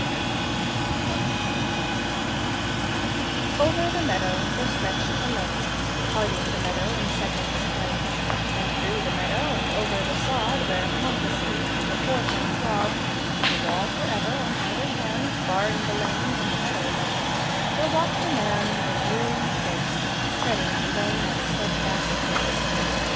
Over the meadow there stretched a lane, Parting the meadow in segments twain; And through the meadow and over the sod Where countless feet had before him trod With a wall forever on either hand Barring the lane from the meadow land, There walked a man with a weary face, Treading the lane at a steadfast pace.